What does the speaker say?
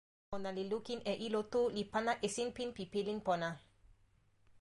ona li lukin e ilo tu, li pana e sinpin pi pilin pona.